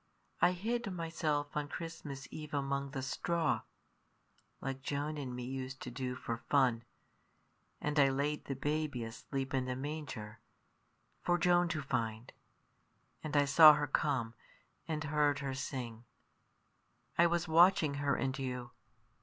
I hid myself on Christmas Eve among the straw like Joan and me used to do for fun and I laid the baby asleep in the manger for Joan to find; and I saw her come, and heard her sing I was watching her and you.